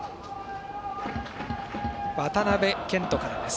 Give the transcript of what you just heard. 渡部健人からです。